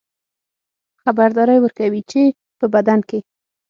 خبرداری ورکوي چې په بدن کې